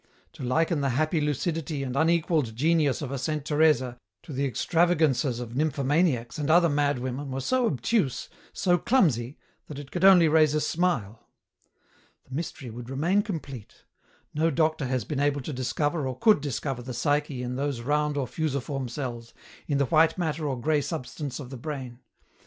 To liken the happy lucidity and unequalled genius of a Saint Teresa to the extravagances of nymphomaniacs and other mad women were so obtuse, so clumsy, that it could only raise a smile ! The mystery would remain complete ; no doctor has been able to discover or could discover the psyche in those round or fusiform cells, in the white matter or grey substance of the brain.